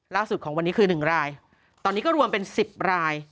ล่าสุดของวันนี้คือ๑รายตอนนี้ก็รวมเป็น๑๐ราย